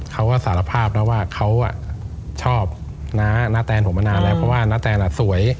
เขาก็สารภาพแล้วว่าเขาชอบน้าแตนผมมานานแล้วเพราะว่านาแตนสวย